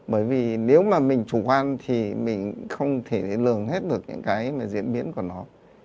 bởi vì nếu mà mình chủ quan thì mình không thể lường hết được những cái diễn biến của nó